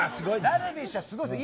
ダルビッシュは、すごいです。